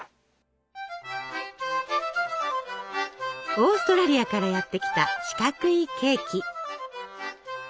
オーストラリアからやって来た四角いケーキ！